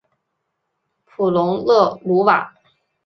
普龙勒鲁瓦。